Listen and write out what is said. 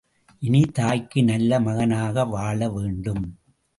இனி, தாய்க்கு நல்ல மகனாக வாழ வேண்டும்.